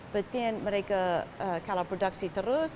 tapi kalau mereka produksi terus